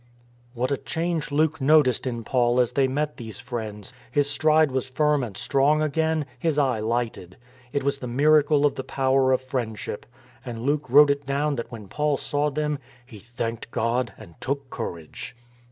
What a change Luke noticed in Paul as they met these friends! His stride was firm and strong again; his eye lighted. It was the miracle of the power of friendship. And Luke wrote it down that when Paul saw them "He thanked God and took courage."